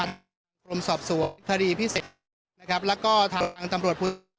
กรมสอบสวมคดีพิเศษและก็ทางตำรวจปุ๊บ๑